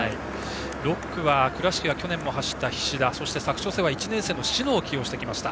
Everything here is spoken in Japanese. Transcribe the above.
６区は倉敷が去年も走った菱田そして佐久長聖は１年生の篠を起用してきました。